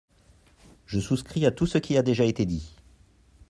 Je souscris à tout ce qui a déjà été dit.